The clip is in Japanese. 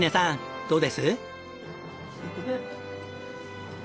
どうです？